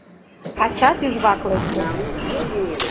Ача тӱжвак лекте.